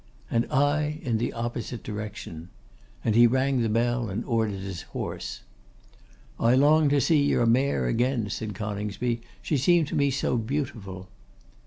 'And I in the opposite direction.' And he rang the bell, and ordered his horse. 'I long to see your mare again,' said Coningsby. 'She seemed to me so beautiful.